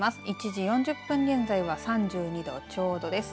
１時４０分現在は３２度ちょうどです。